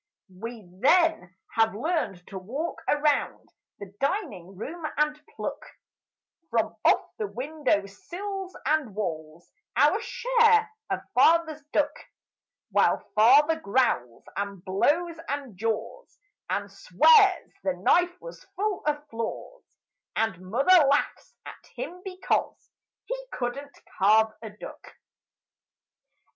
We then have learned to walk around the dining room and pluck From off the windowsills and walls Our share of Father's duck While Father growls and blows and jaws And swears the knife was full of flaws And Mother laughs at him because He couldn't carve a duck.